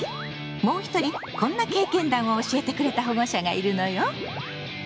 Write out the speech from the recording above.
もう一人こんな経験談を教えてくれた保護者がいるのよ。